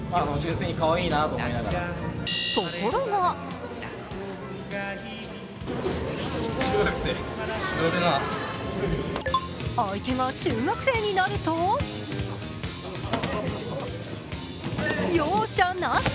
ところが相手が中学生になると容赦なし。